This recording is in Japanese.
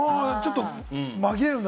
紛れるんだ！